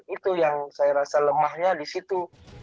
itu yang saya rasa lemahnya di situ